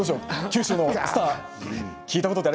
九州のスター。